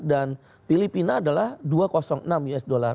dan filipina adalah dua ratus enam us dollar